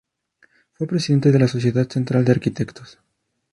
Fue presidente de la Sociedad Central de Arquitectos.